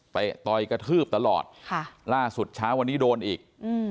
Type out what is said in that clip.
ต่อยกระทืบตลอดค่ะล่าสุดเช้าวันนี้โดนอีก